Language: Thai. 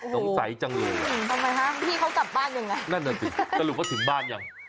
สงสัยจังเลยค่ะประมาณนั้นเลยต่าง